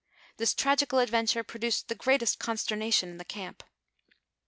This tragical adventure produced the greatest consternation in the camp.